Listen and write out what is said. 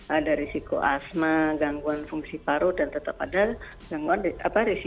ada risiko asma gangguan fungsi paru dan tetap ada risiko kanker parunya